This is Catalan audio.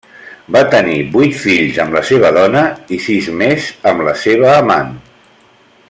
Va tenir vuit fills amb la seva dona i sis més amb la seva amant.